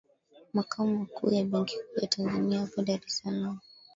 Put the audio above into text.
makao makuu ya benki kuu ya tanzania yapo dar es salaam